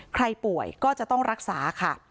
ใครป่วยก็จะต้องรักษาค่ะ